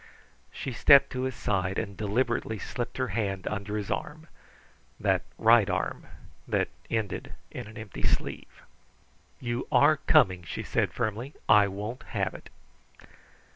She stepped to his side and deliberately slipped her hand under his arm that right arm that ended in an empty sleeve. "You are coming," she said firmly. "I won't have it."